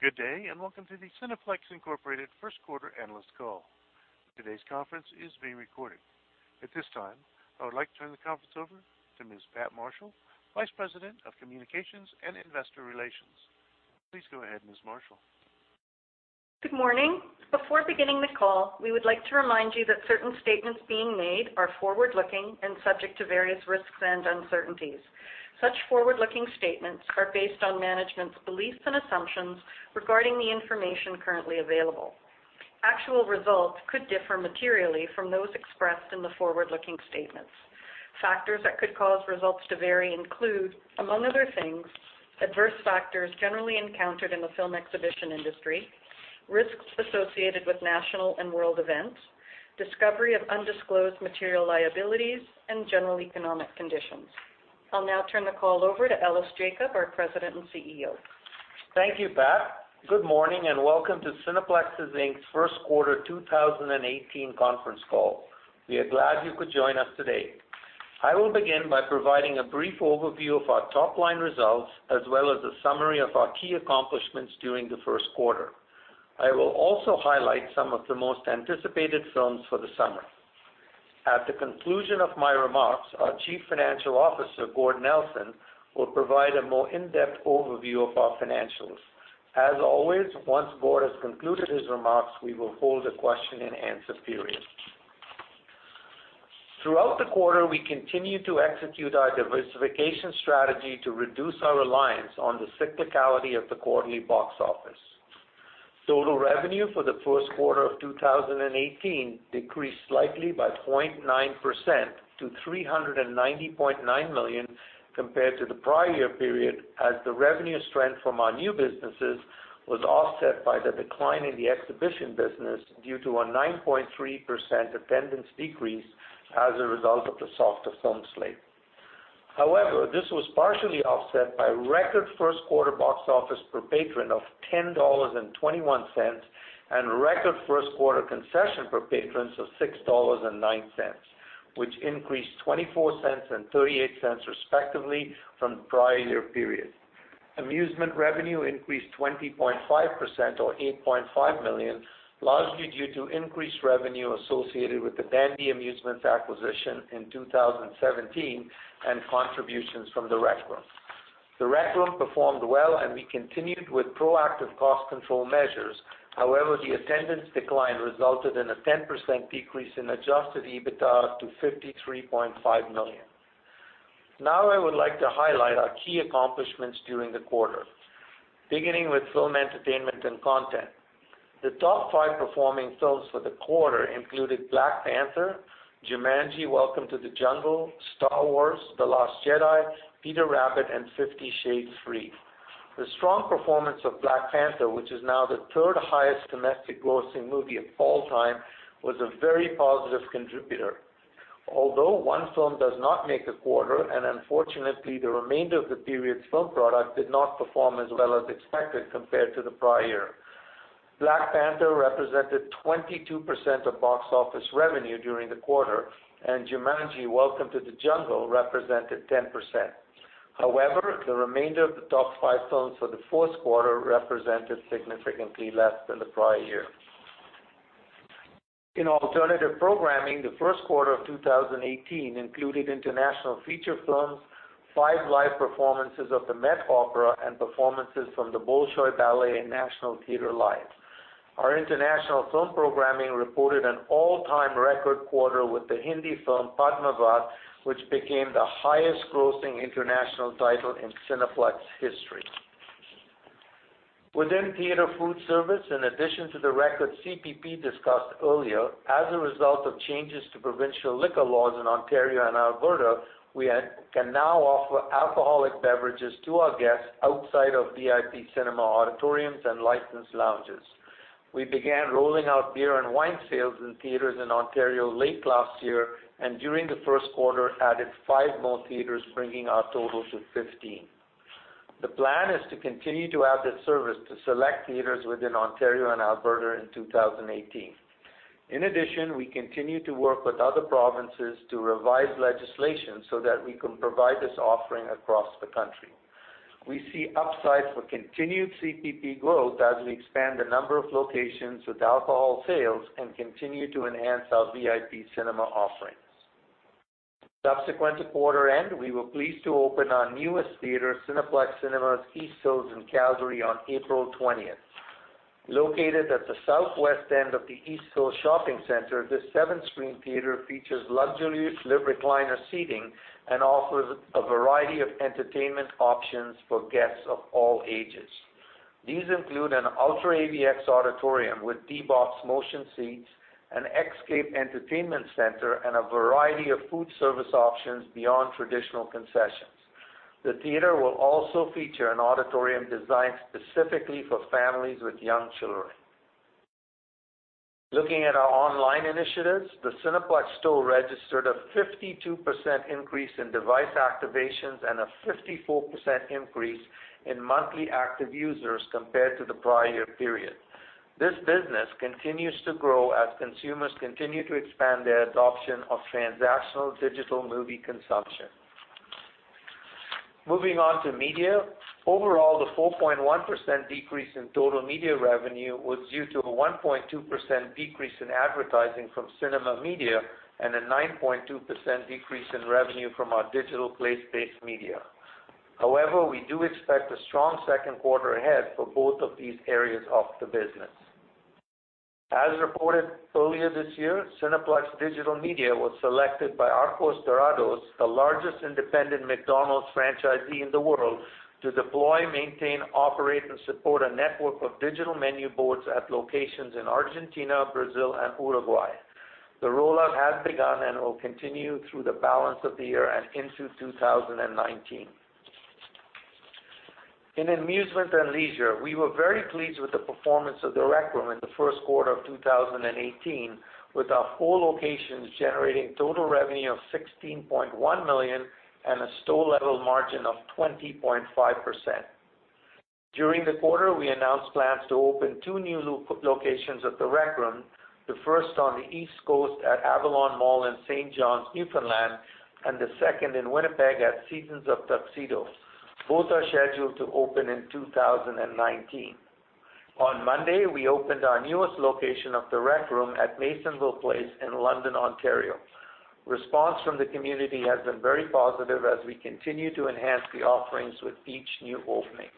Good day, welcome to the Cineplex Inc. first quarter analyst call. Today's conference is being recorded. At this time, I would like to turn the conference over to Ms. Pat Marshall, Vice President of Communications and Investor Relations. Please go ahead, Ms. Marshall. Good morning. Before beginning the call, we would like to remind you that certain statements being made are forward-looking and subject to various risks and uncertainties. Such forward-looking statements are based on management's beliefs and assumptions regarding the information currently available. Actual results could differ materially from those expressed in the forward-looking statements. Factors that could cause results to vary include, among other things, adverse factors generally encountered in the film exhibition industry, risks associated with national and world events, discovery of undisclosed material liabilities, and general economic conditions. I'll now turn the call over to Ellis Jacob, our President and CEO. Thank you, Pat. Good morning, welcome to Cineplex Inc.'s first quarter 2018 conference call. We are glad you could join us today. I will begin by providing a brief overview of our top-line results, as well as a summary of our key accomplishments during the first quarter. I will also highlight some of the most anticipated films for the summer. At the conclusion of my remarks, our Chief Financial Officer, Gord Nelson, will provide a more in-depth overview of our financials. As always, once Gord has concluded his remarks, we will hold a question-and-answer period. Throughout the quarter, we continued to execute our diversification strategy to reduce our reliance on the cyclicality of the quarterly box office. Total revenue for the first quarter of 2018 decreased slightly by 0.9% to 390.9 million compared to the prior year period, as the revenue strength from our new businesses was offset by the decline in the exhibition business due to a 9.3% attendance decrease as a result of the softer film slate. However, this was partially offset by record first quarter box office per patron of 10.21 dollars and record first quarter concession per patrons of 6.09 dollars, which increased 0.24 and 0.38 respectively from prior year periods. Amusement revenue increased 20.5%, or 8.5 million, largely due to increased revenue associated with the Dandy Amusements acquisition in 2017 and contributions from The Rec Room. The Rec Room performed well, we continued with proactive cost control measures. However, the attendance decline resulted in a 10% decrease in adjusted EBITDA to 53.5 million. Now I would like to highlight our key accomplishments during the quarter. Beginning with film entertainment and content. The top five performing films for the quarter included "Black Panther," "Jumanji: Welcome to the Jungle," "Star Wars: The Last Jedi," "Peter Rabbit," and "Fifty Shades Freed." The strong performance of "Black Panther," which is now the third highest domestic grossing movie of all time, was a very positive contributor. Although one film does not make a quarter, and unfortunately, the remainder of the period's film product did not perform as well as expected compared to the prior year. "Black Panther" represented 22% of box office revenue during the quarter, and "Jumanji: Welcome to the Jungle" represented 10%. However, the remainder of the top five films for the first quarter represented significantly less than the prior year. In alternative programming, the first quarter of 2018 included international feature films, five live performances of the Met Opera, and performances from the Bolshoi Ballet and National Theatre Live. Our international film programming reported an all-time record quarter with the Hindi film "Padmaavat," which became the highest grossing international title in Cineplex history. Within theater food service, in addition to the record CPP discussed earlier, as a result of changes to provincial liquor laws in Ontario and Alberta, we can now offer alcoholic beverages to our guests outside of VIP cinema auditoriums and licensed lounges. We began rolling out beer and wine sales in theaters in Ontario late last year, and during the first quarter added five more theaters, bringing our total to 15. The plan is to continue to add this service to select theaters within Ontario and Alberta in 2018. In addition, we continue to work with other provinces to revise legislation so that we can provide this offering across the country. We see upside for continued CPP growth as we expand the number of locations with alcohol sales and continue to enhance our VIP cinema offerings. Subsequent to quarter end, we were pleased to open our newest theater, Cineplex Cinemas East Hills in Calgary on April 20th. Located at the southwest end of the East Hills Shopping Center, this seven-screen theater features luxurious recliner seating and offers a variety of entertainment options for guests of all ages. These include an UltraAVX auditorium with D-BOX motion seats, an Xscape entertainment center, and a variety of food service options beyond traditional concessions. The theater will also feature an auditorium designed specifically for families with young children. Looking at our online initiatives, the Cineplex Store registered a 52% increase in device activations and a 54% increase in monthly active users compared to the prior year period. This business continues to grow as consumers continue to expand their adoption of transactional digital movie consumption. Moving on to media. Overall, the 4.1% decrease in total media revenue was due to a 1.2% decrease in advertising from cinema media and a 9.2% decrease in revenue from our digital place-based media. However, we do expect a strong second quarter ahead for both of these areas of the business. As reported earlier this year, Cineplex Digital Media was selected by Arcos Dorados, the largest independent McDonald's franchisee in the world, to deploy, maintain, operate, and support a network of digital menu boards at locations in Argentina, Brazil, and Uruguay. The rollout has begun and will continue through the balance of the year and into 2019. In amusement and leisure, we were very pleased with the performance of The Rec Room in the first quarter of 2018, with our four locations generating total revenue of 16.1 million and a store-level margin of 20.5%. During the quarter, we announced plans to open two new locations at The Rec Room, the first on the East Coast at Avalon Mall in St. John's, Newfoundland, and the second in Winnipeg at Seasons of Tuxedo. Both are scheduled to open in 2019. On Monday, we opened our newest location of The Rec Room at Masonville Place in London, Ontario. Response from the community has been very positive as we continue to enhance the offerings with each new opening.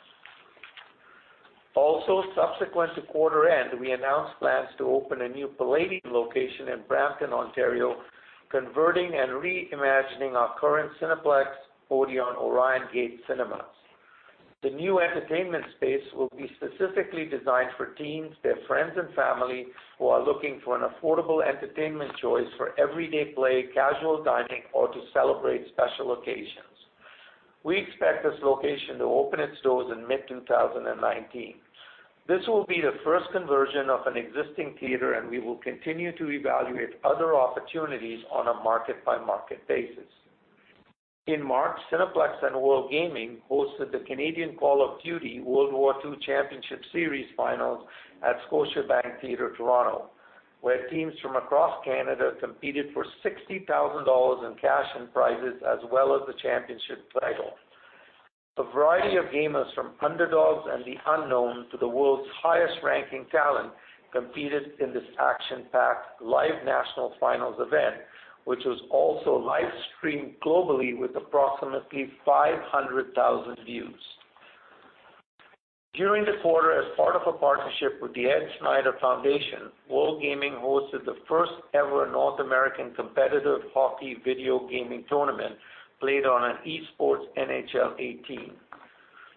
Subsequent to quarter end, we announced plans to open a new Playdium location in Brampton, Ontario, converting and reimagining our current Cineplex Odeon Orion Gate Cinemas. The new entertainment space will be specifically designed for teens, their friends, and family who are looking for an affordable entertainment choice for everyday play, casual dining, or to celebrate special occasions. We expect this location to open its doors in mid-2019. This will be the first conversion of an existing theater, and we will continue to evaluate other opportunities on a market-by-market basis. In March, Cineplex and WorldGaming hosted the Canadian Call of Duty World War II Championship Series Finals at Scotiabank Theatre Toronto, where teams from across Canada competed for 60,000 dollars in cash and prizes, as well as the championship title. A variety of gamers from underdogs and the unknown to the world's highest-ranking talent competed in this action-packed live national finals event, which was also live-streamed globally with approximately 500,000 views. During the quarter, as part of a partnership with the Ed Snider Foundation, WorldGaming hosted the first-ever North American competitive hockey video gaming tournament played on an Esports NHL 18.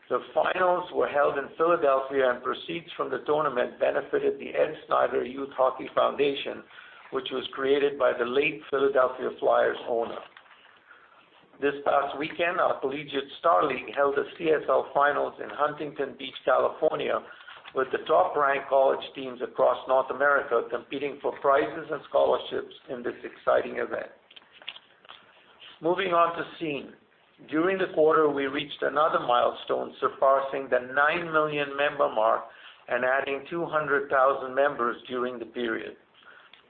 The finals were held in Philadelphia, and proceeds from the tournament benefited the Ed Snider Youth Hockey Foundation, which was created by the late Philadelphia Flyers owner. This past weekend, our Collegiate StarLeague held the CSL finals in Huntington Beach, California, with the top-ranked college teams across North America competing for prizes and scholarships in this exciting event. Moving on to Scene. During the quarter, we reached another milestone, surpassing the nine million member mark and adding 200,000 members during the period.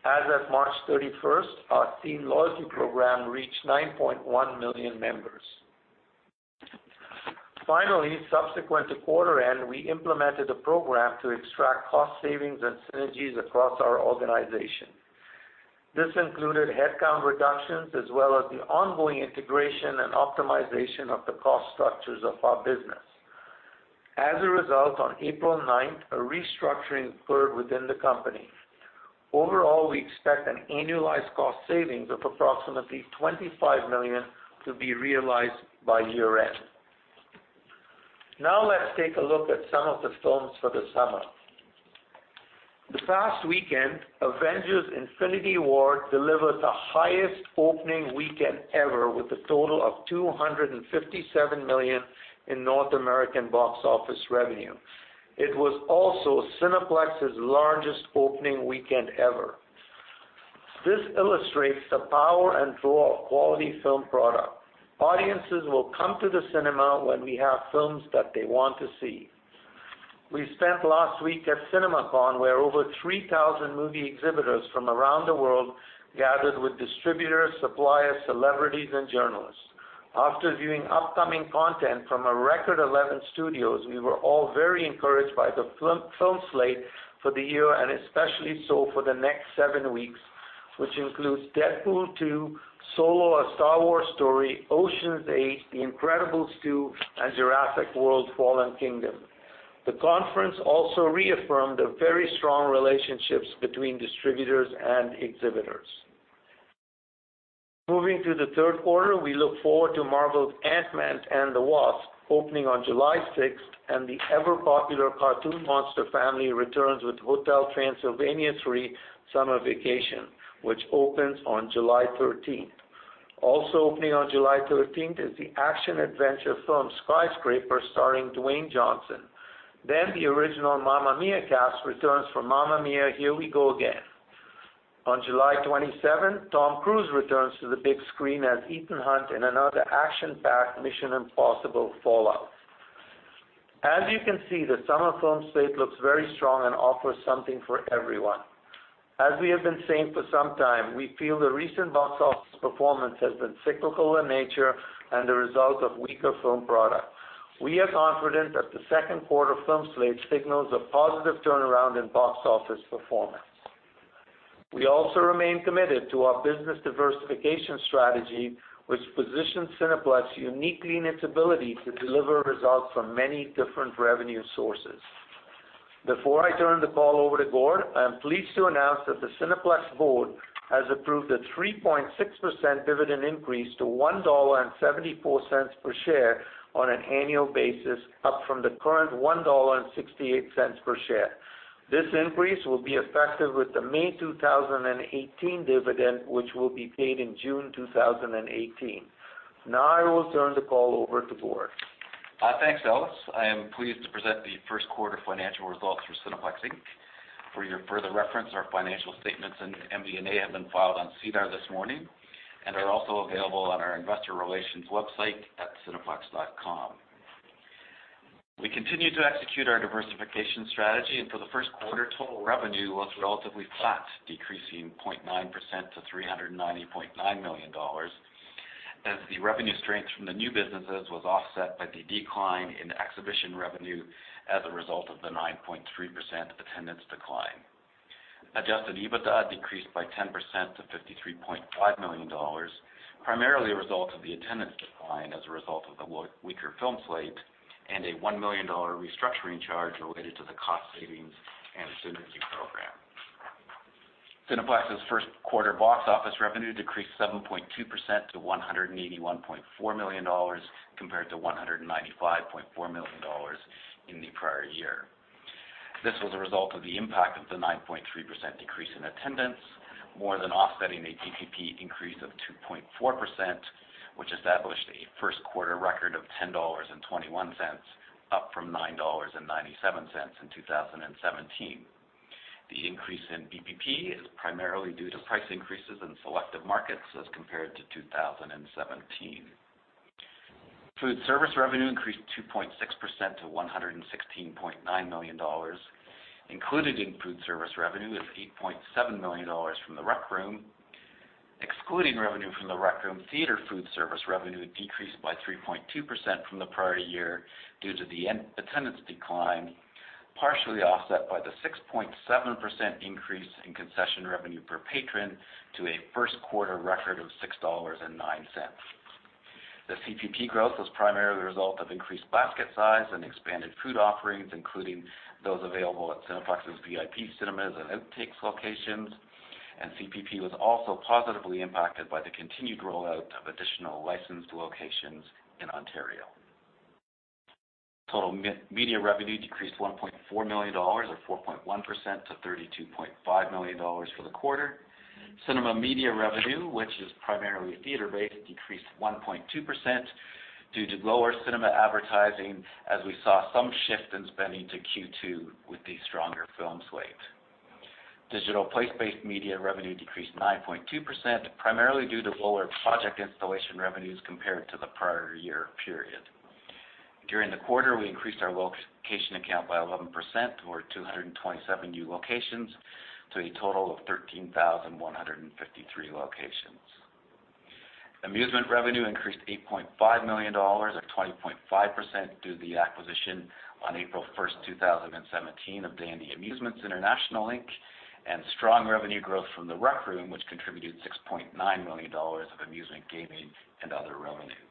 As of March 31st, our Scene loyalty program reached 9.1 million members. Subsequent to quarter end, we implemented a program to extract cost savings and synergies across our organization. This included headcount reductions as well as the ongoing integration and optimization of the cost structures of our business. As a result, on April 9th, a restructuring occurred within the company. Overall, we expect an annualized cost savings of approximately 25 million to be realized by year-end. Let's take a look at some of the films for the summer. This past weekend, "Avengers: Infinity War" delivered the highest opening weekend ever with a total of 257 million in North American box office revenue. It was also Cineplex's largest opening weekend ever. This illustrates the power and draw of quality film product. Audiences will come to the cinema when we have films that they want to see. We spent last week at CinemaCon, where over 3,000 movie exhibitors from around the world gathered with distributors, suppliers, celebrities, and journalists. After viewing upcoming content from a record 11 studios, we were all very encouraged by the film slate for the year, and especially so for the next seven weeks, which includes "Deadpool 2," "Solo: A Star Wars Story," "Ocean's 8," "The Incredibles 2," and "Jurassic World: Fallen Kingdom." The conference also reaffirmed the very strong relationships between distributors and exhibitors. Moving to the third quarter, we look forward to Marvel's "Ant-Man and the Wasp" opening on July 6th, and the ever-popular cartoon monster family returns with "Hotel Transylvania 3: Summer Vacation," which opens on July 13th. Also opening on July 13th is the action-adventure film "Skyscraper" starring Dwayne Johnson. The original "Mamma Mia!" cast returns for "Mamma Mia! Here We Go Again." On July 27th, Tom Cruise returns to the big screen as Ethan Hunt in another action-packed "Mission: Impossible – Fallout." As you can see, the summer film slate looks very strong and offers something for everyone. As we have been saying for some time, we feel the recent box office performance has been cyclical in nature and the result of weaker film product. We are confident that the second quarter film slate signals a positive turnaround in box office performance. We also remain committed to our business diversification strategy, which positions Cineplex uniquely in its ability to deliver results from many different revenue sources. Before I turn the call over to Gord, I'm pleased to announce that the Cineplex board has approved a 3.6% dividend increase to 1.74 dollar per share on an annual basis, up from the current 1.68 dollar per share. This increase will be effective with the May 2018 dividend, which will be paid in June 2018. I will turn the call over to Gord. Thanks, Ellis. I am pleased to present the first quarter financial results for Cineplex Inc. For your further reference, our financial statements and MD&A have been filed on SEDAR this morning and are also available on our investor relations website at cineplex.com. We continue to execute our diversification strategy, and for the first quarter, total revenue was relatively flat, decreasing 0.9% to 390.9 million dollars as the revenue strength from the new businesses was offset by the decline in exhibition revenue as a result of the 9.3% attendance decline. Adjusted EBITDA decreased by 10% to 53.5 million dollars, primarily a result of the attendance decline as a result of the weaker film slate and a 1 million dollar restructuring charge related to the cost savings and synergy program. Cineplex's first-quarter box office revenue decreased 7.2% to 181.4 million dollars compared to 195.4 million dollars in the prior year. This was a result of the impact of the 9.3% decrease in attendance, more than offsetting a TPP increase of 2.4%, which established a first-quarter record of 10.21 dollars, up from 9.97 dollars in 2017. The increase in BPP is primarily due to price increases in selective markets as compared to 2017. Food service revenue increased 2.6% to 116.9 million dollars. Included in food service revenue is 8.7 million dollars from The Rec Room. Excluding revenue from The Rec Room, theater food service revenue decreased by 3.2% from the prior year due to the attendance decline, partially offset by the 6.7% increase in concession revenue per patron to a first-quarter record of 6.09 dollars. The CPP growth was primarily a result of increased basket size and expanded food offerings, including those available at Cineplex's VIP Cinemas and Outtakes locations, and CPP was also positively impacted by the continued rollout of additional licensed locations in Ontario. Total media revenue decreased 1.4 million dollars or 4.1% to 32.5 million dollars for the quarter. Cinema media revenue, which is primarily theater-based, decreased 1.2% due to lower cinema advertising as we saw some shift in spending to Q2 with the stronger film slate. Digital place-based media revenue decreased 9.2%, primarily due to lower project installation revenues compared to the prior year period. During the quarter, we increased our location account by 11% or 227 new locations to a total of 13,153 locations. Amusement revenue increased 8.5 million dollars or 20.5% due to the acquisition on April 1st, 2017 of Dandy Amusements International Inc. and strong revenue growth from The Rec Room, which contributed 6.9 million dollars of amusement gaming and other revenue.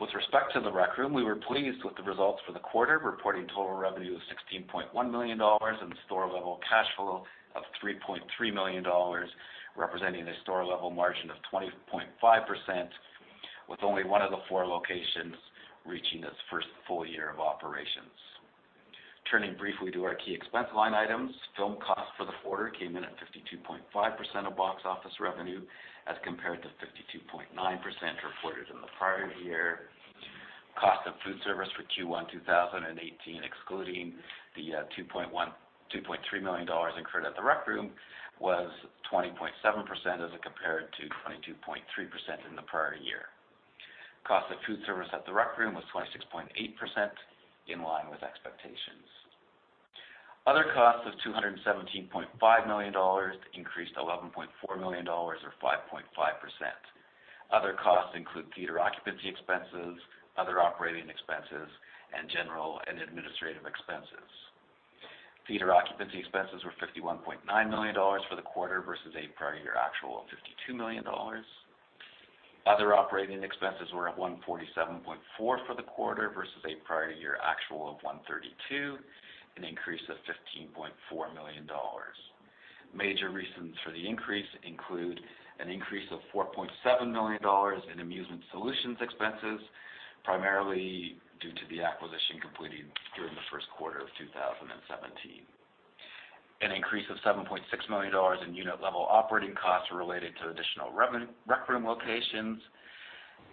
With respect to The Rec Room, we were pleased with the results for the quarter, reporting total revenue of 16.1 million dollars and store-level cash flow of 3.3 million dollars, representing a store-level margin of 20.5%, with only one of the four locations reaching its first full year of operations. Turning briefly to our key expense line items, film cost for the quarter came in at 52.5% of box office revenue as compared to 52.9% reported in the prior year. Cost of food service for Q1 2018, excluding the 2.3 million dollars incurred at The Rec Room, was 20.7% as compared to 22.3% in the prior year. Cost of food service at The Rec Room was 26.8%, in line with expectations. Other costs of 217.5 million dollars increased 11.4 million dollars or 5.5%. Other costs include theater occupancy expenses, other operating expenses, and general and administrative expenses. Theater occupancy expenses were 51.9 million dollars for the quarter versus a prior year actual of 52 million dollars. Other operating expenses were at 147.4 million for the quarter versus a prior year actual of 132 million, an increase of 15.4 million dollars. Major reasons for the increase include an increase of 4.7 million dollars in Amusement Solutions expenses, primarily due to the acquisition completed during the first quarter of 2017. An increase of 7.6 million dollars in unit-level operating costs related to additional Rec Room locations,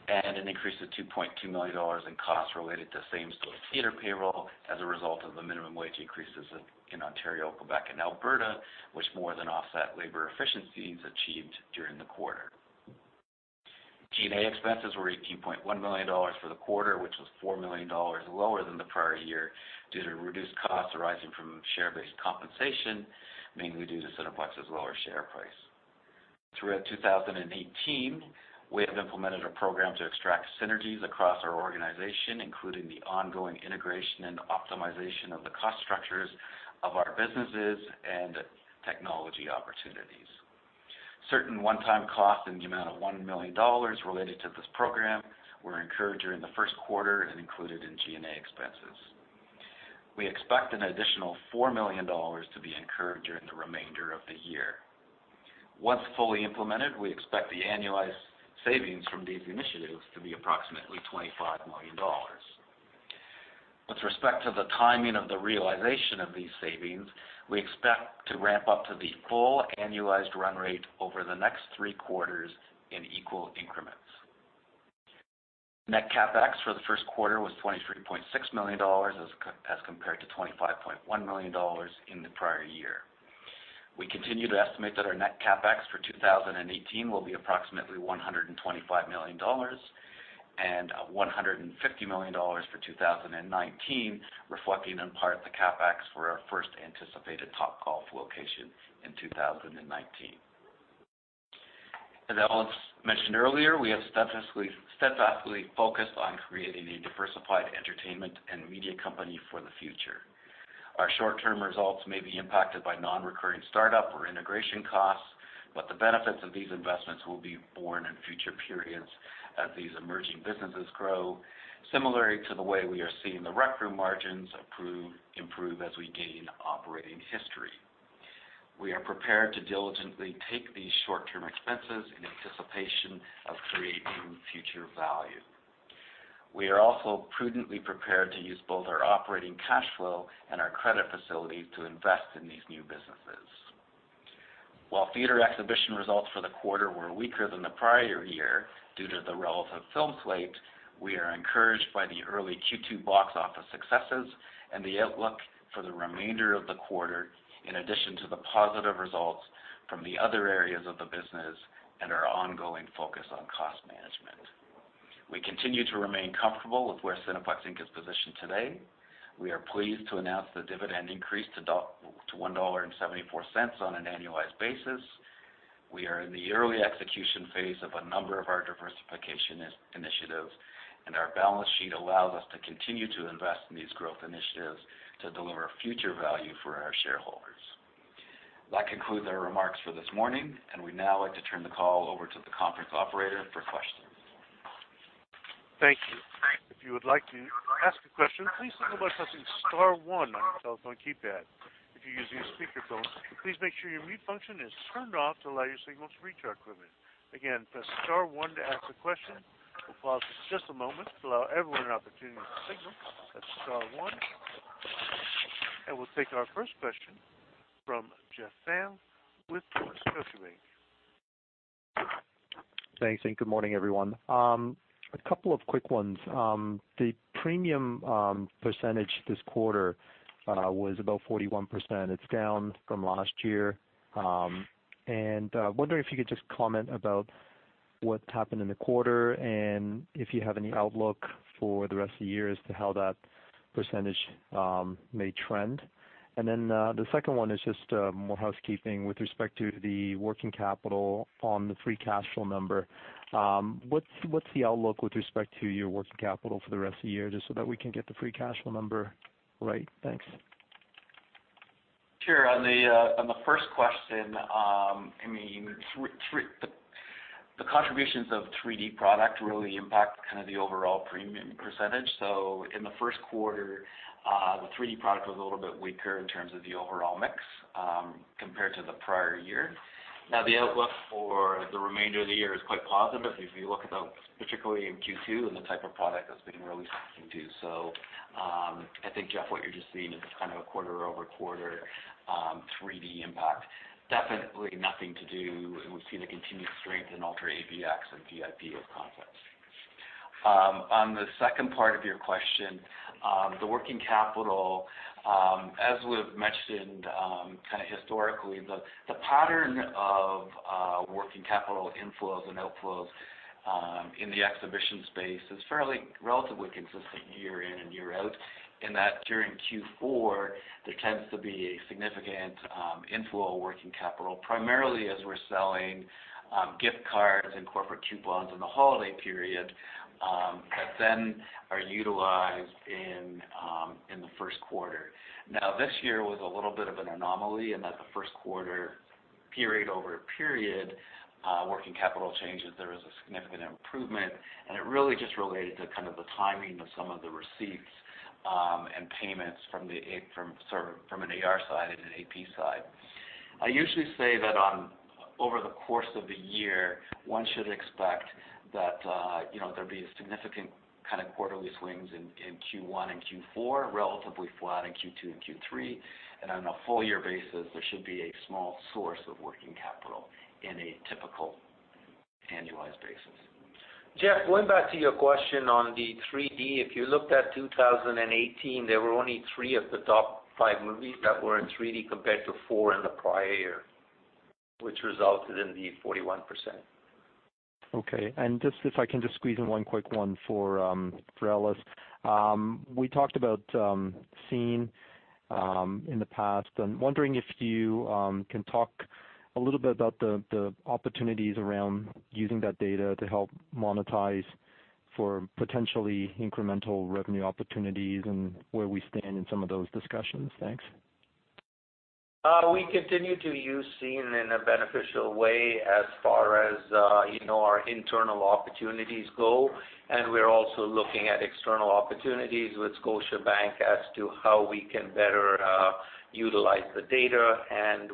and an increase of 2.2 million dollars in costs related to same-store theater payroll as a result of the minimum wage increases in Ontario, Quebec, and Alberta, which more than offset labor efficiencies achieved during the quarter. G&A expenses were 18.1 million dollars for the quarter, which was 4 million dollars lower than the prior year due to reduced costs arising from share-based compensation, mainly due to Cineplex's lower share price. Throughout 2018, we have implemented a program to extract synergies across our organization, including the ongoing integration and optimization of the cost structures of our businesses and technology opportunities. Certain one-time costs in the amount of 1 million dollars related to this program were incurred during the first quarter and included in G&A expenses. We expect an additional 4 million dollars to be incurred during the remainder of the year. Once fully implemented, we expect the annualized savings from these initiatives to be approximately 25 million dollars. With respect to the timing of the realization of these savings, we expect to ramp up to the full annualized run rate over the next three quarters in equal increments. Net CapEx for the first quarter was 23.6 million dollars as compared to 25.1 million dollars in the prior year. We continue to estimate that our net CapEx for 2018 will be approximately 125 million dollars and 150 million dollars for 2019, reflecting in part the CapEx for our first anticipated Topgolf location in 2019. As Ellis mentioned earlier, we have steadfastly focused on creating a diversified entertainment and media company for the future. Our short-term results may be impacted by non-recurring start-up or integration costs, but the benefits of these investments will be born in future periods as these emerging businesses grow, similarly to the way we are seeing The Rec Room margins improve as we gain operating history. We are prepared to diligently take these short-term expenses in anticipation of creating future value. We are also prudently prepared to use both our operating cash flow and our credit facility to invest in these new businesses. While theater exhibition results for the quarter were weaker than the prior year due to the relative film slate, we are encouraged by the early Q2 box office successes and the outlook for the remainder of the quarter, in addition to the positive results from the other areas of the business and our ongoing focus on cost management. We continue to remain comfortable with where Cineplex Inc. is positioned today. We are pleased to announce the dividend increase to 1.74 dollar on an annualized basis. Our balance sheet allows us to continue to invest in these growth initiatives to deliver future value for our shareholders. That concludes our remarks for this morning, and we'd now like to turn the call over to the conference operator for questions. Thank you. If you would like to ask a question, please think about pressing star one on your telephone keypad. If you're using a speakerphone, please make sure your mute function is turned off to allow your signals to reach our equipment. Again, press star one to ask a question. We'll pause for just a moment to allow everyone an opportunity to signal. Press star one. We'll take our first question from Jeff Fan with Scotiabank. Thanks. Good morning, everyone. A couple of quick ones. The premium percentage this quarter was about 41%. It's down from last year. I'm wondering if you could just comment about what's happened in the quarter and if you have any outlook for the rest of the year as to how that percentage may trend. The second one is just more housekeeping with respect to the working capital on the free cash flow number. What's the outlook with respect to your working capital for the rest of the year, just so that we can get the free cash flow number right? Thanks. Sure. On the first question, the contributions of 3D product really impact kind of the overall premium percentage. In the first quarter, the 3D product was a little bit weaker in terms of the overall mix, compared to the prior year. The outlook for the remainder of the year is quite positive if you look at the, particularly in Q2 and the type of product that's been released into. I think, Jeff, what you're just seeing is kind of a quarter-over-quarter, 3D impact. Definitely nothing to do. We've seen a continued strength in UltraAVX and VIP concepts. On the second part of your question, the working capital, as we've mentioned, kind of historically, the pattern of working capital inflows and outflows in the exhibition space is fairly relatively consistent year in and year out, in that during Q4, there tends to be a significant inflow of working capital, primarily as we're selling gift cards and corporate coupons in the holiday period, that then are utilized in the first quarter. This year was a little bit of an anomaly in that the first quarter period-over-period working capital changes, there was a significant improvement, and it really just related to kind of the timing of some of the receipts and payments from an AR side and an AP side. I usually say that over the course of the year, one should expect that there'll be significant kind of quarterly swings in Q1 and Q4, relatively flat in Q2 and Q3, and on a full year basis, there should be a small source of working capital in a typical annualized basis. Jeff, going back to your question on the 3D, if you looked at 2018, there were only three of the top-five movies that were in 3D compared to four in the prior year, which resulted in the 41%. Okay. If I can just squeeze in one quick one for Ellis. We talked about Scene+ in the past. I'm wondering if you can talk a little bit about the opportunities around using that data to help monetize for potentially incremental revenue opportunities and where we stand in some of those discussions. Thanks. We continue to use Scene+ in a beneficial way as far as our internal opportunities go, and we're also looking at external opportunities with Scotiabank as to how we can better utilize the data.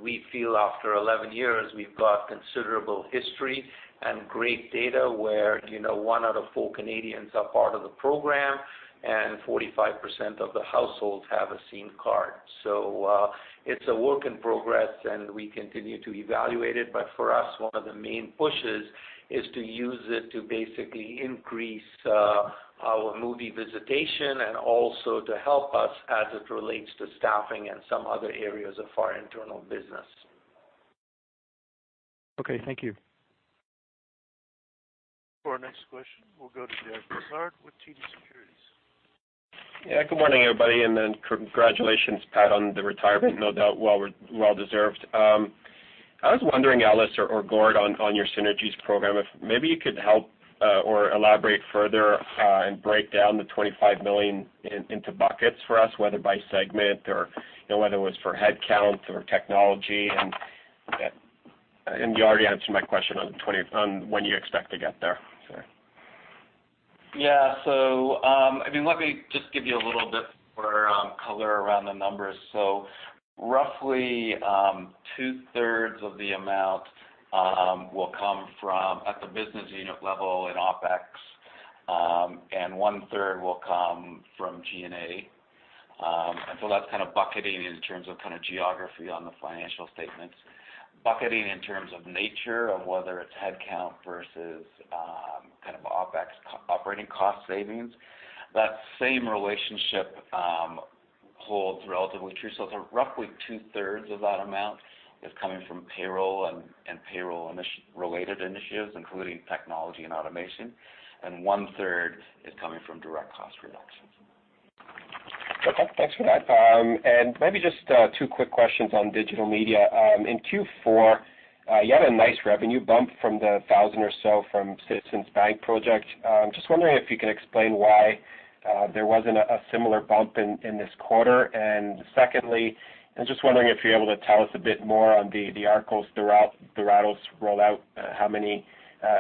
We feel after 11 years, we've got considerable history and great data where one out of four Canadians are part of the program, and 45% of the households have a Scene+ card. It's a work in progress, and we continue to evaluate it. For us, one of the main pushes is to use it to basically increase our movie visitation and also to help us as it relates to staffing and some other areas of our internal business. Okay, thank you. For our next question, we'll go to Derek Lessard with TD Securities. Yeah. Good morning, everybody. Congratulations, Pat, on the retirement. No doubt well deserved. I was wondering, Ellis or Gord, on your synergies program, if maybe you could help or elaborate further and break down the 25 million into buckets for us, whether by segment or whether it was for headcount or technology. You already answered my question on when you expect to get there. Sorry. Yeah. Let me just give you a little bit more color around the numbers. Roughly two-thirds of the amount will come from at the business unit level in OpEx, and one-third will come from G&A. That's bucketing in terms of geography on the financial statements. Bucketing in terms of nature of whether it's headcount versus OpEx operating cost savings. That same relationship holds relatively true. Roughly two-thirds of that amount is coming from payroll and payroll-related initiatives, including technology and automation, and one-third is coming from direct cost reductions. Okay. Thanks for that. Maybe just two quick questions on digital media. In Q4, you had a nice revenue bump from the 1,000 or so from Citizens Bank project. Just wondering if you can explain why there wasn't a similar bump in this quarter. Secondly, I was just wondering if you're able to tell us a bit more on the Arcos Dorados rollout, how many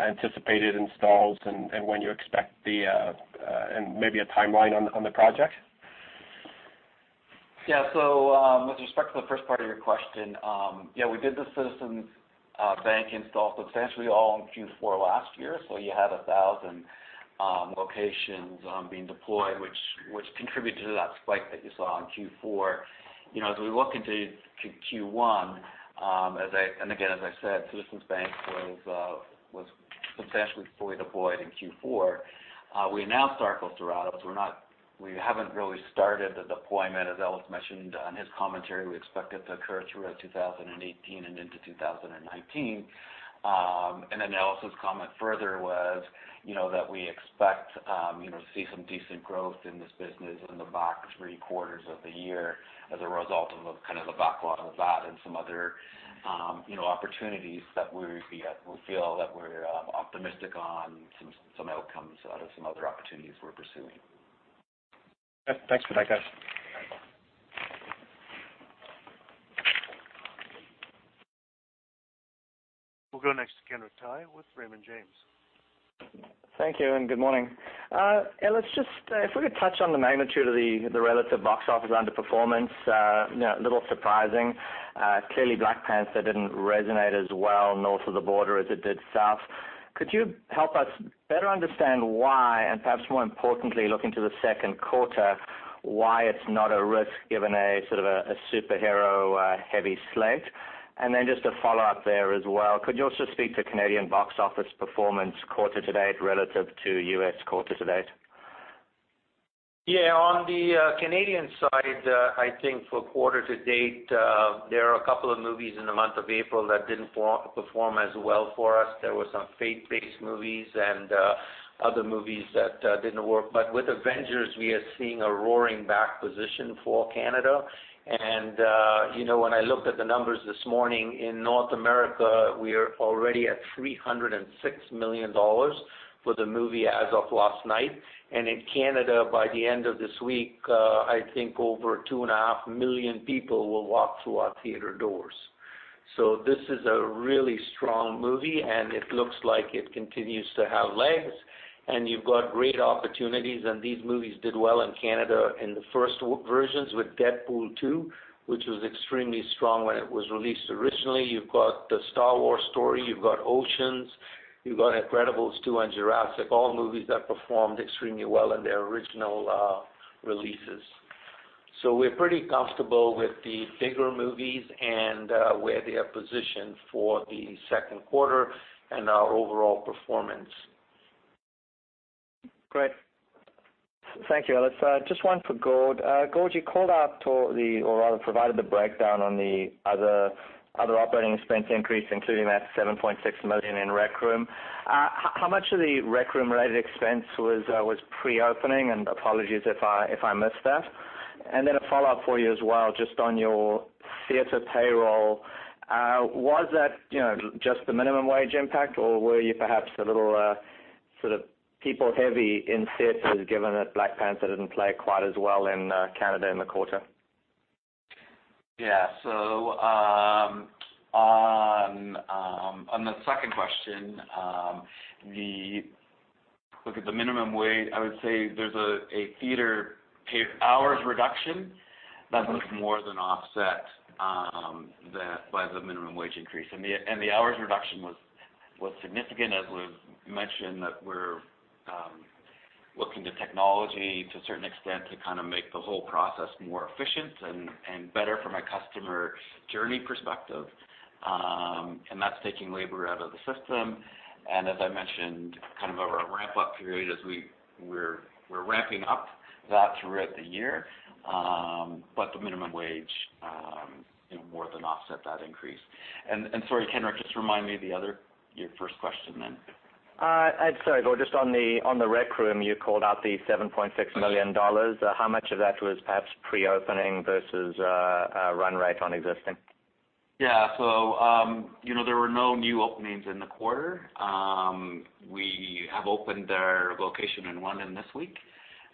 anticipated installs and when you expect a timeline on the project. Yeah. With respect to the first part of your question, yeah, we did the Citizens Bank install substantially all in Q4 last year. You had 1,000 locations being deployed, which contributed to that spike that you saw in Q4. As we look into Q1, and again, as I said, Citizens Bank was substantially fully deployed in Q4. We announced Arcos Dorados. We haven't really started the deployment, as Ellis mentioned on his commentary. We expect it to occur throughout 2018 and into 2019. Ellis' comment further was that we expect to see some decent growth in this business in the back three quarters of the year as a result of the backlog of that and some other opportunities that we feel that we're optimistic on some outcomes out of some other opportunities we're pursuing. Yep. Thanks for that, guys. We'll go next to Kenric Tyghe with Raymond James. Thank you and good morning. Ellis, if we could touch on the magnitude of the relative box office underperformance, a little surprising. Clearly, "Black Panther" didn't resonate as well north of the border as it did south. Could you help us better understand why, and perhaps more importantly, looking to the second quarter, why it's not a risk given a superhero-heavy slate? Just a follow-up there as well. Could you also speak to Canadian box office performance quarter to date relative to U.S. quarter to date? Yeah. On the Canadian side, I think for quarter to date, there are a couple of movies in the month of April that didn't perform as well for us. There were some faith-based movies and other movies that didn't work. With "Avengers: Infinity War", we are seeing a roaring back position for Canada. When I looked at the numbers this morning in North America, we're already at 306 million dollars for the movie as of last night. In Canada, by the end of this week, I think over two and a half million people will walk through our theater doors. This is a really strong movie, and it looks like it continues to have legs. You've got great opportunities, and these movies did well in Canada in the first versions with "Deadpool 2", which was extremely strong when it was released originally. You've got the "Star Wars" story. You've got "Ocean's 8". You've got "Incredibles 2" and "Jurassic World: Fallen Kingdom", all movies that performed extremely well in their original releases. We're pretty comfortable with the bigger movies and where they are positioned for the second quarter and our overall performance. Great. Thank you, Ellis. Just one for Gord. Gord, you provided the breakdown on the other operating expense increase, including that 7.6 million in The Rec Room. How much of The Rec Room-related expense was pre-opening? Apologies if I missed that. A follow-up for you as well, just on your theater payroll, was that just the minimum wage impact or were you perhaps a little people-heavy in theaters given that "Black Panther" didn't play quite as well in Canada in the quarter? Yeah. On the second question, look at the minimum wage, I would say there's a theater hours reduction that was more than offset by the minimum wage increase. The hours reduction was significant, as was mentioned, that we're looking to technology to a certain extent to kind of make the whole process more efficient and better from a customer journey perspective. That's taking labor out of the system. As I mentioned, kind of over a ramp-up period as we're ramping up that throughout the year. The minimum wage more than offset that increase. Sorry, Kenric, just remind me your first question. Sorry, Gord, just on The Rec Room, you called out the 7.6 million dollars. How much of that was perhaps pre-opening versus run rate on existing? Yeah. There were no new openings in the quarter. We have opened our location in London this week,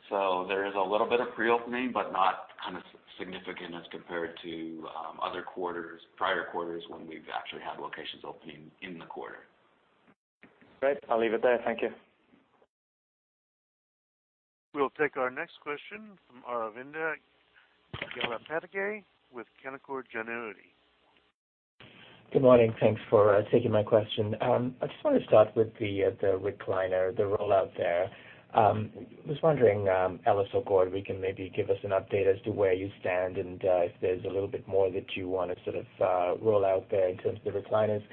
there is a little bit of pre-opening, but not kind of significant as compared to other quarters, prior quarters when we've actually had locations opening in the quarter. Great. I'll leave it there. Thank you. We'll take our next question from Aravinda Galappatthige with Canaccord Genuity. Good morning. Thanks for taking my question. I just want to start with the recliner, the rollout there. I was wondering, Ellis or Gord, we can maybe give us an update as to where you stand and if there's a little bit more that you want to sort of roll out there in terms of the recliners.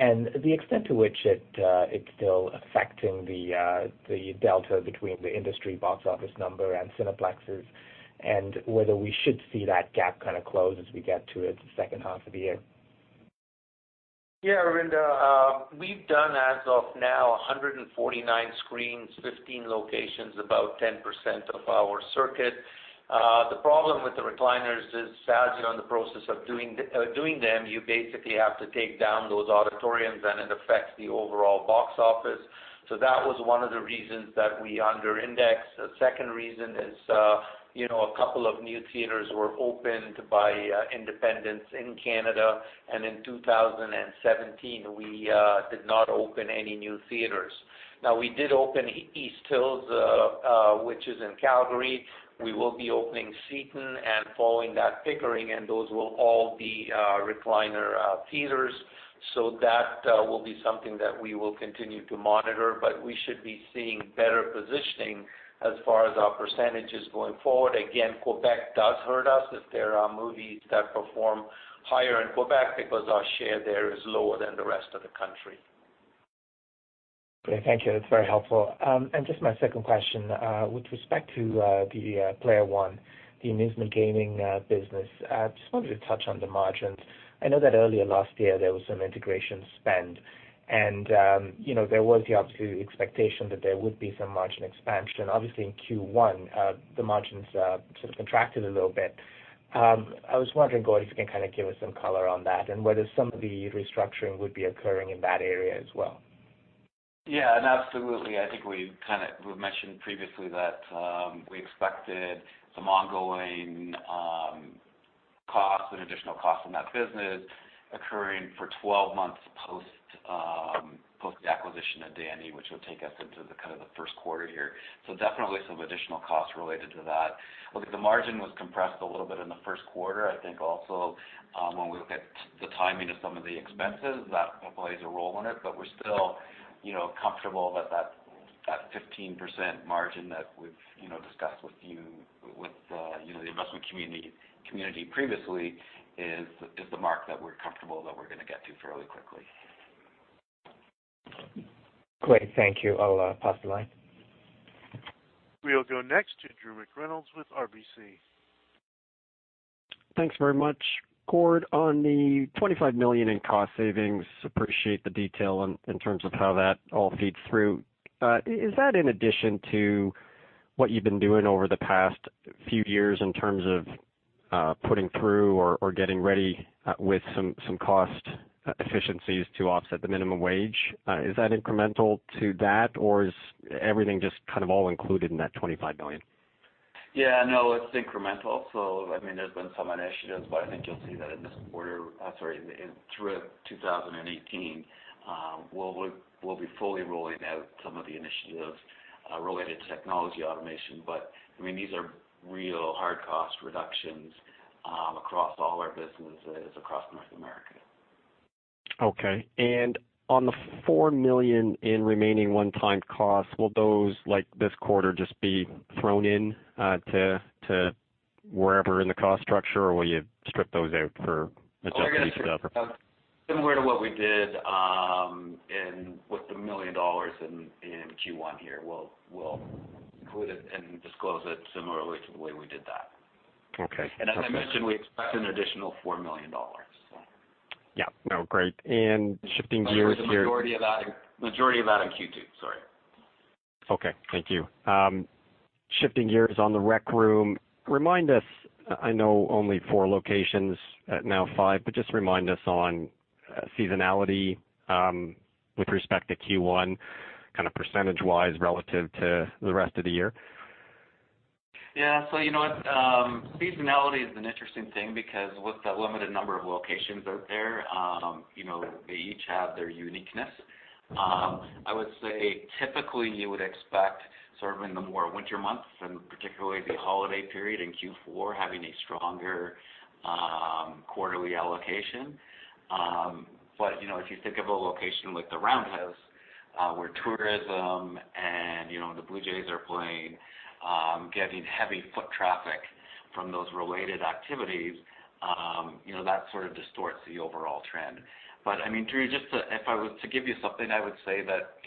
The extent to which it's still affecting the delta between the industry box office number and Cineplex's, and whether we should see that gap kind of close as we get to it the second half of the year. Yeah, Aravinda. We've done as of now, 149 screens, 15 locations, about 10% of our circuit. The problem with the recliners is sadly on the process of doing them, you basically have to take down those auditoriums, and it affects the overall box office. That was one of the reasons that we under-indexed. The second reason is a couple of new theaters were opened by independents in Canada, in 2017, we did not open any new theaters. We did open East Hills, which is in Calgary. We will be opening Seaton and following that Pickering, and those will all be recliner theaters. That will be something that we will continue to monitor, but we should be seeing better positioning as far as our percentages going forward. Again, Quebec does hurt us if there are movies that perform higher in Quebec because our share there is lower than the rest of the country. Great. Thank you. That's very helpful. Just my second question, with respect to the Player One, the amusement gaming business, I just wondered if you could touch on the margins. I know that earlier last year there was some integration spend and there was the obvious expectation that there would be some margin expansion. Obviously in Q1, the margins sort of contracted a little bit. I was wondering, Gord, if you can kind of give us some color on that and whether some of the restructuring would be occurring in that area as well. No, absolutely. I think we've mentioned previously that we expected some ongoing costs and additional costs in that business occurring for 12 months post-acquisition of Dandy, which would take us into the first quarter here. Definitely some additional costs related to that. The margin was compressed a little bit in the first quarter. Also when we look at the timing of some of the expenses, that plays a role in it. We're still comfortable that 15% margin that we've discussed with you, with the investment community previously is the mark that we're comfortable that we're going to get to fairly quickly. Great. Thank you. I'll pass the line. We'll go next to Drew McReynolds with RBC. Thanks very much. Gord, on the 25 million in cost savings, appreciate the detail in terms of how that all feeds through. Is that in addition to what you've been doing over the past few years in terms of putting through or getting ready with some cost efficiencies to offset the minimum wage? Is that incremental to that, or is everything just kind of all included in that 25 million? It's incremental. There's been some initiatives, but I think you'll see that throughout 2018, we'll be fully rolling out some of the initiatives related to technology automation. These are real hard cost reductions across all our businesses across North America. On the 4 million in remaining one-time costs, will those, like this quarter, just be thrown in to wherever in the cost structure, or will you strip those out for adjusted EBITDA? Similar to what we did with the 1 million dollars in Q1 here. We'll include it and disclose it similarly to the way we did that. Okay. As I mentioned, we expect an additional 4 million dollars. No, great. Shifting gears here. The majority of that in Q2. Sorry. Okay, thank you. Shifting gears on The Rec Room, remind us, I know only four locations, now five, but just remind us on seasonality with respect to Q1, percentage-wise, relative to the rest of the year. Yeah. You know what? Seasonality is an interesting thing because with the limited number of locations out there, they each have their uniqueness. I would say, typically, you would expect sort of in the more winter months, and particularly the holiday period in Q4, having a stronger quarterly allocation. If you think of a location like the Roundhouse, where tourism and the Blue Jays are playing, getting heavy foot traffic from those related activities, that sort of distorts the overall trend. Drew, if I was to give you something, I would say that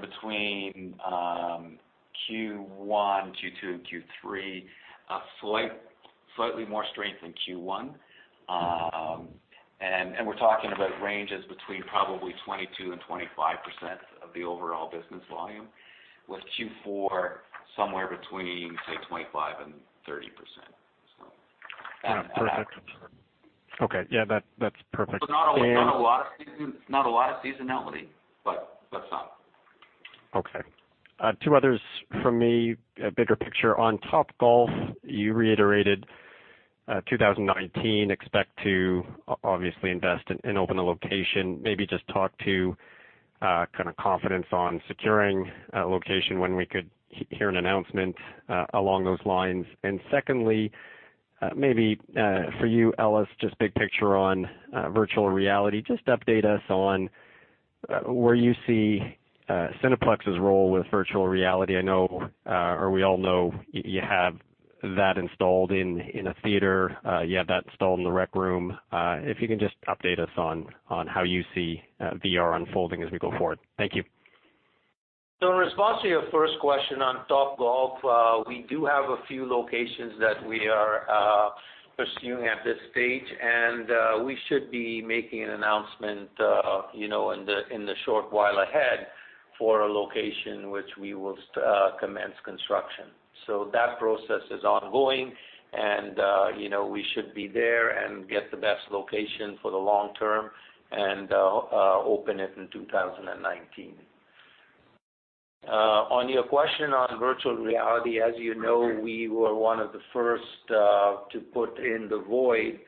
between Q1, Q2, and Q3, slightly more strength than Q1. We're talking about ranges between probably 22% and 25% of the overall business volume, with Q4 somewhere between, say, 25% and 30%. Yeah, perfect. Okay. Yeah, that's perfect. Not a lot of seasonality, but some. Okay. Two others from me, bigger picture. On Topgolf, you reiterated 2019, expect to obviously invest and open a location. Maybe just talk to confidence on securing a location, when we could hear an announcement along those lines. Secondly, maybe for you, Ellis, just big picture on virtual reality. Just update us on where you see Cineplex's role with virtual reality. I know, or we all know you have that installed in a theater, you have that installed in The Rec Room. If you can just update us on how you see VR unfolding as we go forward. Thank you. In response to your first question on Topgolf, we do have a few locations that we are pursuing at this stage, and we should be making an announcement in the short while ahead for a location which we will commence construction. That process is ongoing and we should be there and get the best location for the long term and open it in 2019. On your question on virtual reality, as you know, we were one of the first to put in The VOID,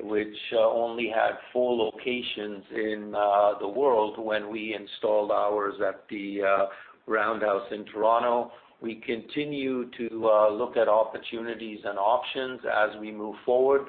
which only had four locations in the world when we installed ours at the Roundhouse in Toronto. We continue to look at opportunities and options as we move forward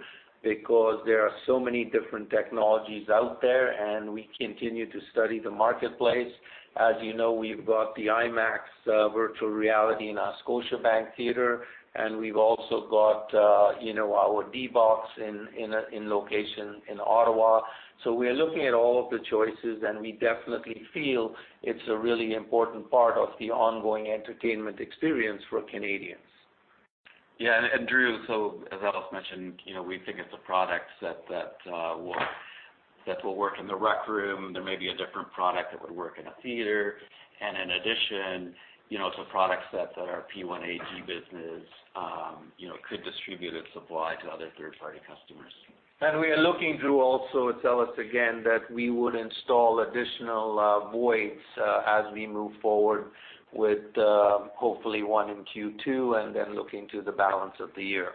because there are so many different technologies out there, and we continue to study the marketplace. As you know, we've got the IMAX virtual reality in our Scotiabank Theatre, and we've also got our D-BOX in location in Ottawa. We're looking at all of the choices, and we definitely feel it's a really important part of the ongoing entertainment experience for Canadians. Yeah. Drew, as Ellis mentioned, we think it's a product set that will work in The Rec Room. There may be a different product that would work in a theater. In addition, some product sets that our P1AG business could distribute and supply to other third-party customers. We are looking, Drew, also tell us again, that we would install additional VOIDs as we move forward with hopefully one in Q2 and then looking to the balance of the year.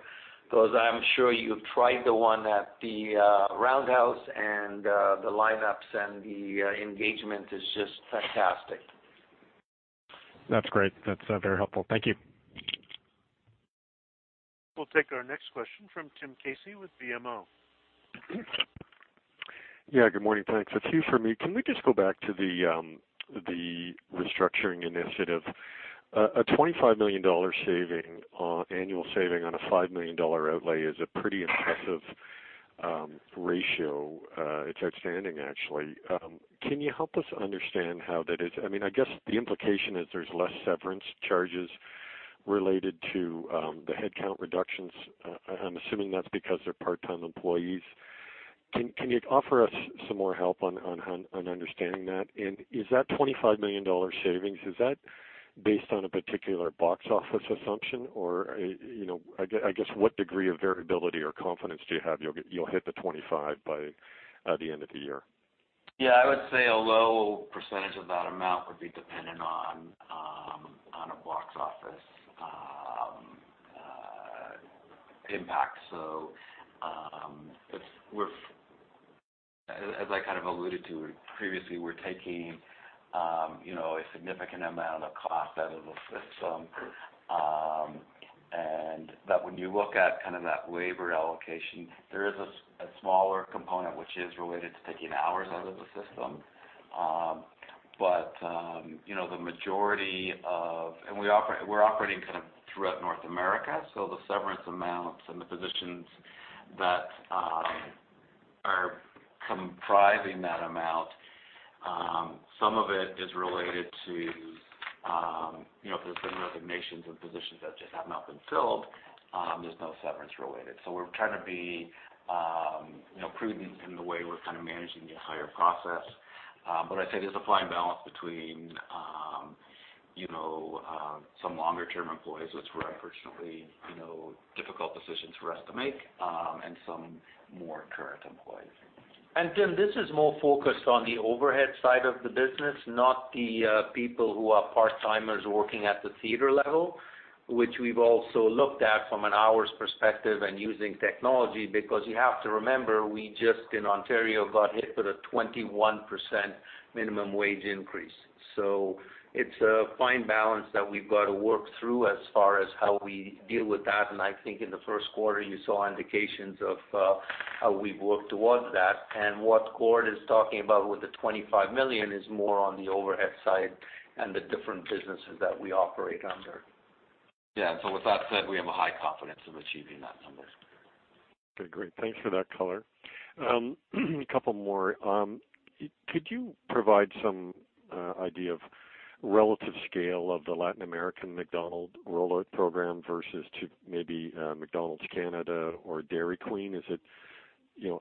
I'm sure you've tried the one at the Roundhouse, and the lineups and the engagement is just fantastic. That's great. That's very helpful. Thank you. We'll take our next question from Tim Casey with BMO. Yeah, good morning. Thanks. It's two from me. Can we just go back to the restructuring initiative? A 25 million dollar annual saving on a 5 million dollar outlay is a pretty impressive ratio. It's outstanding, actually. Can you help us understand how that is? I guess the implication is there's less severance charges related to the headcount reductions. I'm assuming that's because they're part-time employees. Can you offer us some more help on understanding that? Is that 25 million dollar savings, is that based on a particular box office assumption, or I guess what degree of variability or confidence do you have you'll hit the 25 by the end of the year? Yeah, I would say a low percentage of that amount would be dependent on a box office impact. As I kind of alluded to previously, we're taking a significant amount of cost out of the system, and that when you look at that labor allocation, there is a smaller component which is related to taking hours out of the system. We're operating kind of throughout North America, the severance amounts and the positions that are comprising that amount, some of it is related to, if there's been resignations and positions that just have not been filled, there's no severance related. We're trying to be prudent in the way we're kind of managing the entire process. I'd say there's a fine balance between some longer-term employees, which were unfortunately, difficult decisions for us to make, and some more current employees. Tim, this is more focused on the overhead side of the business, not the people who are part-timers working at the theater level, which we've also looked at from an hours perspective and using technology. You have to remember, we just, in Ontario, got hit with a 21% minimum wage increase. It's a fine balance that we've got to work through as far as how we deal with that, and I think in the first quarter, you saw indications of how we've worked towards that. What Gord is talking about with the 25 million is more on the overhead side and the different businesses that we operate under. Yeah. With that said, we have a high confidence in achieving that number. Okay, great. Thanks for that color. A couple more. Could you provide some idea of relative scale of the Latin American McDonald's rollout program versus maybe McDonald's Canada or Dairy Queen? Is it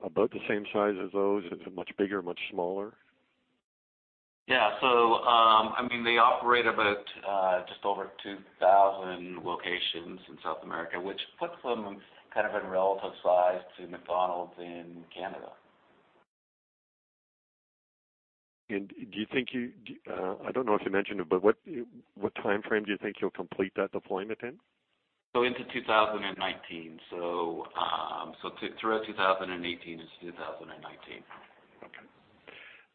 about the same size as those? Is it much bigger? Much smaller? Yeah. They operate about just over 2,000 locations in South America, which puts them kind of in relative size to McDonald's in Canada. Do you think I don't know if you mentioned it, but what timeframe do you think you'll complete that deployment in? Into 2019. Throughout 2018 into 2019.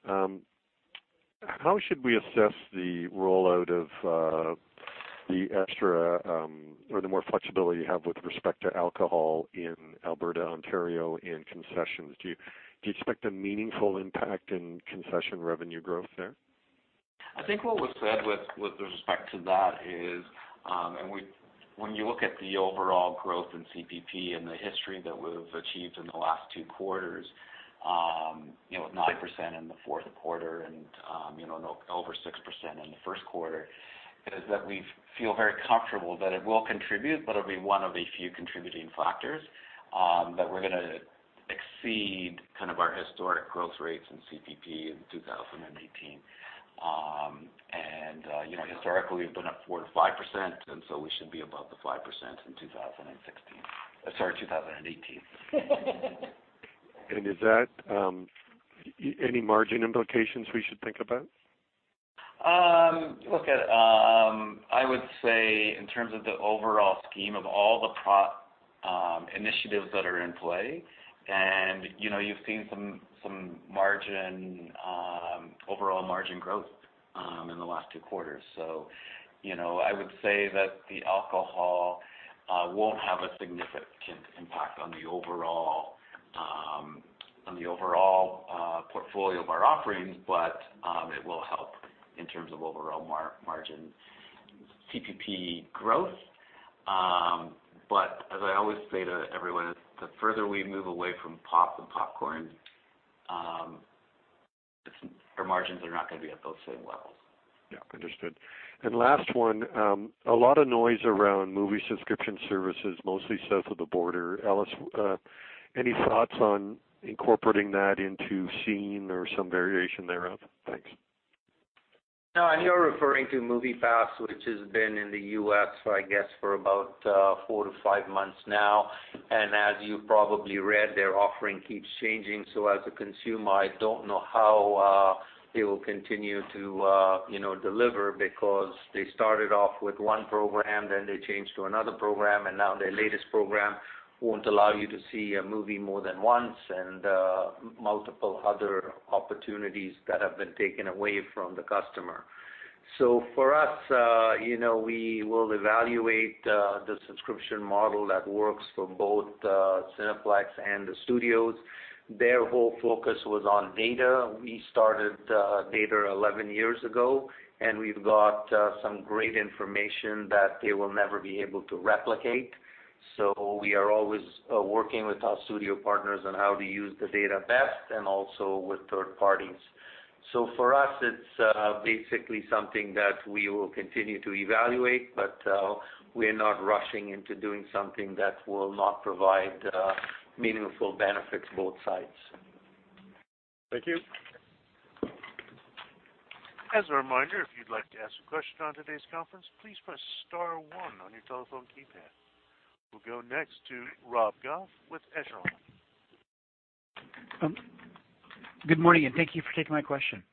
Okay. How should we assess the rollout of the extra, or the more flexibility you have with respect to alcohol in Alberta, Ontario, and concessions? Do you expect a meaningful impact in concession revenue growth there? I think what was said with respect to that is, when you look at the overall growth in CPP and the history that we've achieved in the last two quarters, with 9% in the fourth quarter and over 6% in the first quarter, is that we feel very comfortable that it will contribute, but it'll be one of a few contributing factors that we're going to exceed kind of our historic growth rates in CPP in 2018. Historically, we've been at 4%-5%, so we should be above the 5% in 2016. Sorry, 2018. Is that any margin implications we should think about? I would say in terms of the overall scheme of all the initiatives that are in play, you've seen some overall margin growth in the last two quarters. I would say that the alcohol won't have a significant impact on the overall portfolio of our offerings, but it will help in terms of overall margin CPP growth. As I always say to everyone, the further we move away from pop and popcorn, our margins are not going to be at those same levels. Understood. Last one, a lot of noise around movie subscription services, mostly south of the border. Ellis, any thoughts on incorporating that into Scene+ or some variation thereof? Thanks. You're referring to MoviePass, which has been in the U.S., I guess, for about four to five months now. As you probably read, their offering keeps changing. As a consumer, I don't know how they will continue to deliver because they started off with one program, then they changed to another program, and now their latest program won't allow you to see a movie more than once and multiple other opportunities that have been taken away from the customer. For us, we will evaluate the subscription model that works for both Cineplex and the studios. Their whole focus was on data. We started data 11 years ago, and we've got some great information that they will never be able to replicate. We are always working with our studio partners on how to use the data best and also with third parties. For us, it's basically something that we will continue to evaluate, but we're not rushing into doing something that will not provide meaningful benefits both sides. Thank you. As a reminder, if you'd like to ask a question on today's conference, please press star one on your telephone keypad. We'll go next to Rob Goff with Echelon. Good morning, and thank you for taking my question.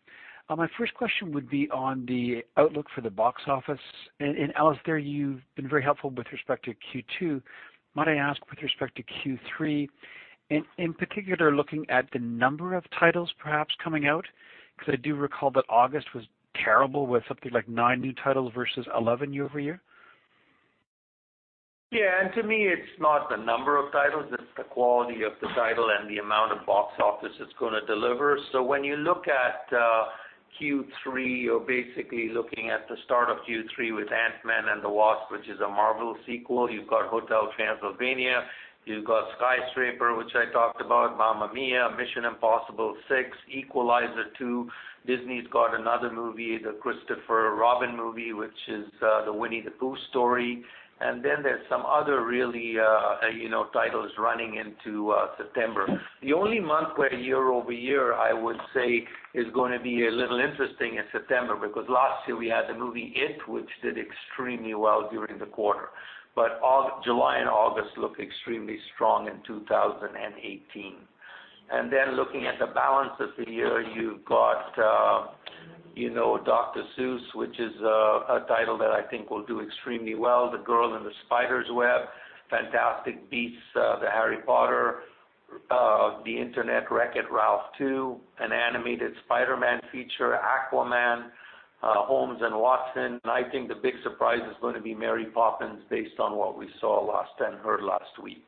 My first question would be on the outlook for the box office. Ellis, there you've been very helpful with respect to Q2. Might I ask with respect to Q3, in particular, looking at the number of titles perhaps coming out, because I do recall that August was terrible with something like nine new titles versus 11 year-over-year To me, it's not the number of titles, it's the quality of the title and the amount of box office it's going to deliver. When you look at Q3, you're basically looking at the start of Q3 with "Ant-Man and the Wasp", which is a Marvel sequel. You've got "Hotel Transylvania", you've got "Skyscraper", which I talked about, "Mamma Mia," "Mission Impossible 6", "Equalizer 2". Disney's got another movie, the Christopher Robin movie, which is the "Winnie the Pooh" story. Then there's some other really titles running into September. The only month where year-over-year, I would say, is going to be a little interesting in September, because last year we had the movie, "It", which did extremely well during the quarter. July and August look extremely strong in 2018. Then looking at the balance of the year, you've got "Dr. The Grinch", which is a title that I think will do extremely well. "The Girl in the Spider's Web", "Fantastic Beasts", the Harry Potter, "Ralph Breaks the Internet", "Wreck-It Ralph 2", an animated "Spider-Man" feature, "Aquaman", "Holmes & Watson". I think the big surprise is going to be "Mary Poppins" based on what we saw and heard last week.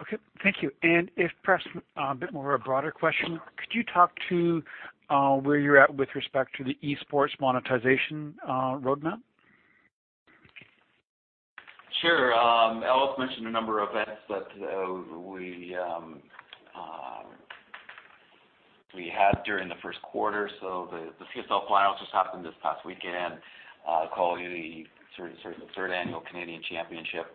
Okay, thank you. If perhaps, a bit more of a broader question, could you talk to where you're at with respect to the esports monetization roadmap? Sure. Ellis mentioned a number of events that we had during the first quarter. The CSL finals just happened this past weekend, calling it the third annual Canadian Championship.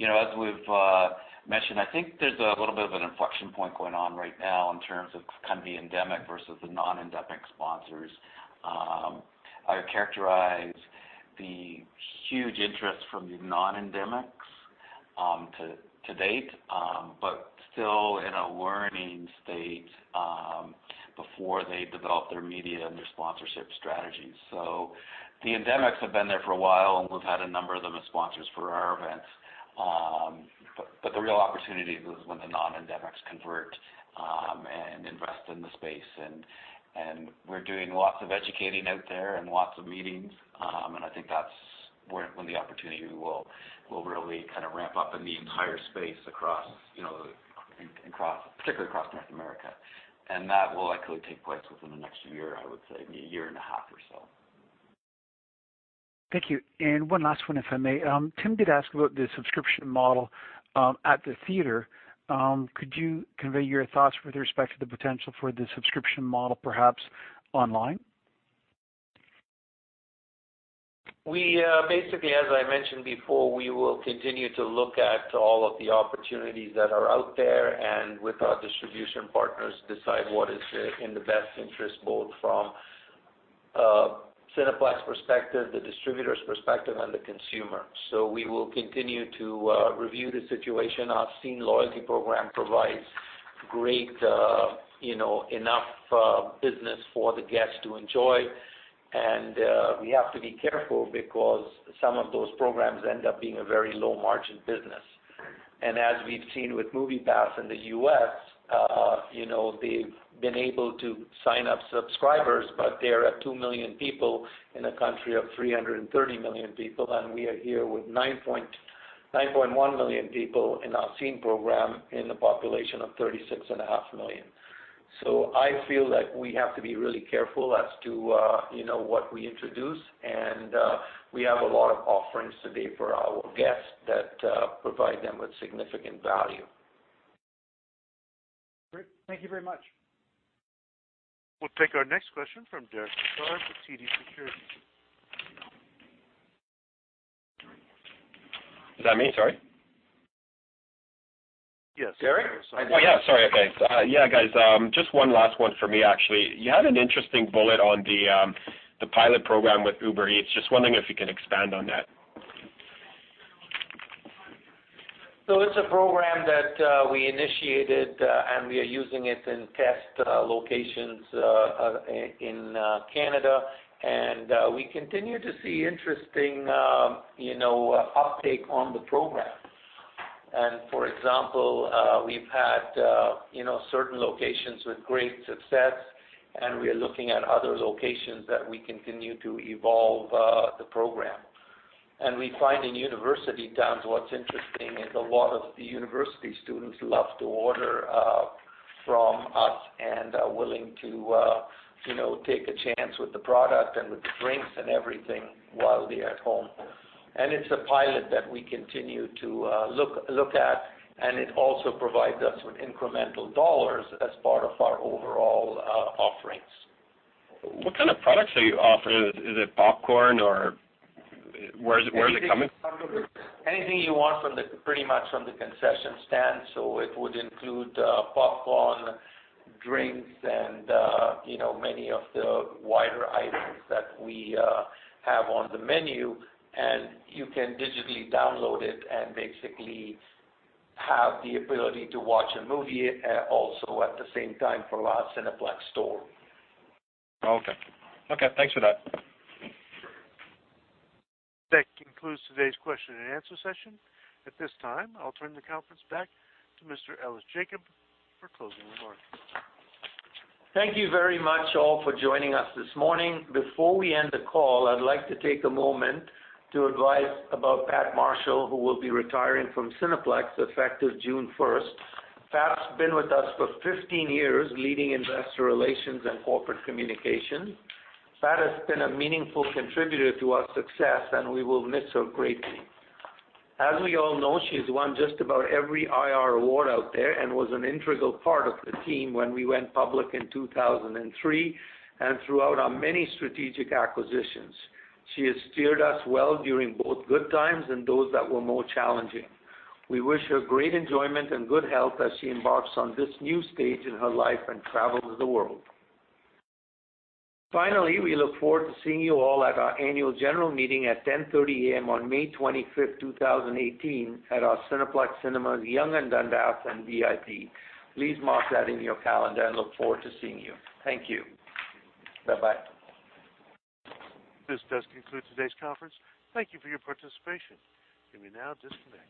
As we've mentioned, I think there's a little bit of an inflection point going on right now in terms of the endemic versus the non-endemic sponsors. I characterize the huge interest from the non-endemics to date but still in a learning state before they develop their media and their sponsorship strategies. The endemics have been there for a while, and we've had a number of them as sponsors for our events. The real opportunity is when the non-endemics convert and invest in the space. We're doing lots of educating out there and lots of meetings. I think that's when the opportunity will really ramp up in the entire space particularly across North America. That will likely take place within the next year, I would say, maybe a year and a half or so. Thank you. One last one, if I may. Tim did ask about the subscription model at the theater. Could you convey your thoughts with respect to the potential for the subscription model, perhaps online? We basically, as I mentioned before, we will continue to look at all of the opportunities that are out there, and with our distribution partners, decide what is in the best interest, both from Cineplex perspective, the distributor's perspective, and the consumer. We will continue to review the situation. Our Scene+ loyalty program provides great enough business for the guests to enjoy. We have to be careful because some of those programs end up being a very low-margin business. As we've seen with MoviePass in the U.S., they've been able to sign up subscribers, but they're at 2 million people in a country of 330 million people, and we are here with 9.1 million people in our Scene+ program in a population of 36.5 million. I feel that we have to be really careful as to what we introduce, we have a lot of offerings today for our guests that provide them with significant value. Great. Thank you very much. We'll take our next question from Derek Lessard of TD Securities. Is that me? Sorry. Yes, Derek. Oh, yeah. Sorry. Okay. Yeah, guys, just one last one for me, actually. You had an interesting bullet on the pilot program with Uber Eats. Just wondering if you can expand on that. It's a program that we initiated, and we are using it in test locations in Canada. We continue to see interesting uptake on the program. For example, we've had certain locations with great success, and we are looking at other locations that we continue to evolve the program. We find in university towns, what's interesting is a lot of the university students love to order from us and are willing to take a chance with the product and with the drinks and everything while they're at home. It's a pilot that we continue to look at, and it also provides us with incremental dollars as part of our overall offerings. What kind of products are you offering? Is it popcorn, or where is it coming from? Anything you want pretty much from the concession stand. It would include popcorn, drinks, and many of the wider items that we have on the menu, and you can digitally download it and basically have the ability to watch a movie also at the same time for our Cineplex Store. Okay. Thanks for that. That concludes today's question and answer session. At this time, I'll turn the conference back to Mr. Ellis Jacob for closing remarks. Thank you very much, all, for joining us this morning. Before we end the call, I'd like to take a moment to advise about Pat Marshall, who will be retiring from Cineplex effective June 1st. Pat's been with us for 15 years, leading investor relations and corporate communications. Pat has been a meaningful contributor to our success, and we will miss her greatly. As we all know, she's won just about every IR award out there and was an integral part of the team when we went public in 2003 and throughout our many strategic acquisitions. She has steered us well during both good times and those that were more challenging. We wish her great enjoyment and good health as she embarks on this new stage in her life and travels the world. Finally, we look forward to seeing you all at our annual general meeting at 10:30 A.M. on May 25th, 2018, at our Cineplex Cinemas, Yonge-Dundas, and VIP. Please mark that in your calendar and look forward to seeing you. Thank you. Bye-bye. This does conclude today's conference. Thank you for your participation. You may now disconnect.